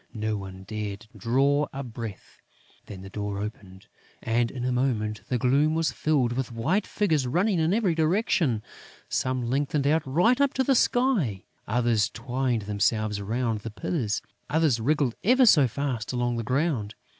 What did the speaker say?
No one dared draw a breath. Then the door opened; and, in a moment, the gloom was filled with white figures running in every direction. Some lengthened out right up to the sky; others twined themselves round the pillars; others wriggled ever so fast along the ground.